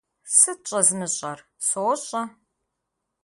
Сыт щӏэзмыщӏэр, сощӀэ!